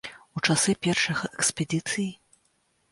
У часы першых экспедыцый.